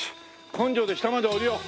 根性で下まで下りよう。